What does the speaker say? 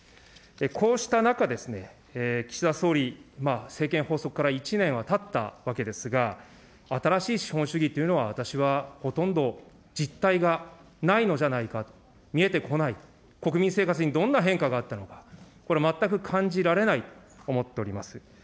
こうした中ですね、岸田総理、政権発足から１年はたったわけですが、新しい資本主義というのは、私はほとんど実体がないのじゃないか、見えてこないと、国民生活にどんな変化があったのか、これ、全く感じられないと思っております。